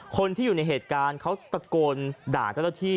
คนที่อยู่ในเหตุการณ์เขาตะโกนด่าเจ้าหน้าที่